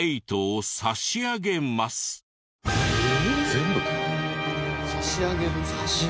全部？差し上げる？